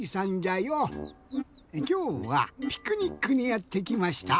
きょうはピクニックにやってきました。